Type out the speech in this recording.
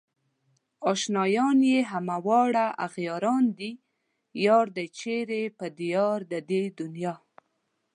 اشنايان يې همه واړه اغياران دي يار دئ چيرې په ديار د دې دنيا